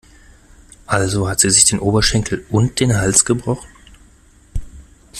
Also hat sie sich den Oberschenkel und den Hals gebrochen?